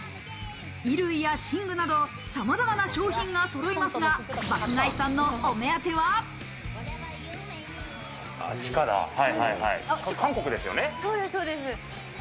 衣類や寝具など、さまざまな商品がそろいますが爆買いさんのお目当ては。